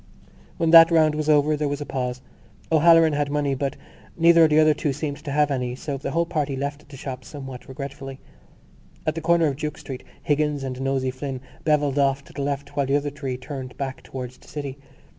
When that round was over there was a pause. O'Halloran had money but neither of the other two seemed to have any; so the whole party left the shop somewhat regretfully. At the corner of Duke Street Higgins and Nosey Flynn bevelled off to the left while the other three turned back towards the city.